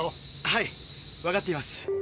はいわかっています。